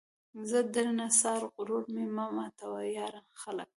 زه درنه ځار ، غرور مې مه ماتوه ، یاره ! خلک